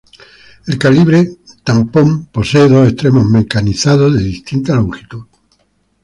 El calibre tampón posee dos extremos mecanizados de distinta longitud.